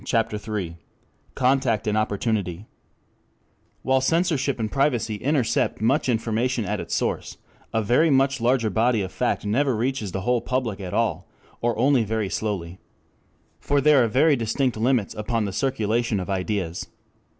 CHAPTER III CONTACT AND OPPORTUNITY 1 While censorship and privacy intercept much information at its source, a very much larger body of fact never reaches the whole public at all, or only very slowly. For there are very distinct limits upon the circulation of ideas.